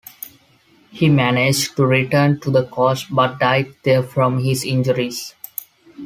He managed to return to the coast, but died there from his injuries.